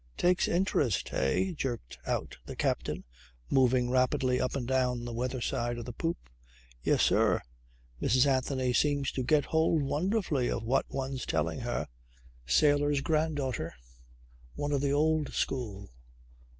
"Takes interest eh?" jerked out the captain moving rapidly up and down the weather side of the poop. "Yes, sir. Mrs. Anthony seems to get hold wonderfully of what one's telling her." "Sailor's granddaughter. One of the old school.